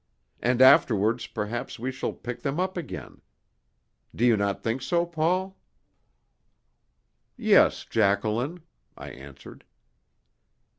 And afterwards perhaps we shall pick them up again. Do you not think so, Paul?" "Yes, Jacqueline," I answered.